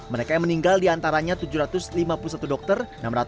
mereka yang meninggal diantaranya tujuh ratus lima puluh satu dokter